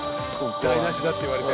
台無しだって言われて。